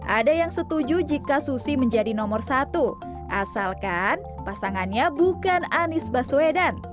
ada yang setuju jika susi menjadi nomor satu asalkan pasangannya bukan anies baswedan